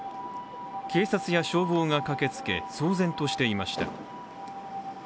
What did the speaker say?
警察や消防が駆けつけ、騒然としていました。